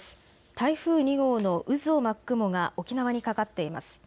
台風２号の渦を巻く雲が沖縄にかかっています。